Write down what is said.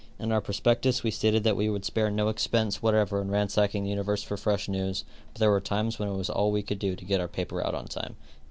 In our prospectus we stated that we would spare no expense whatever in ransacking the universe for fresh news, but there were times when it was all we could do to get our paper out on time.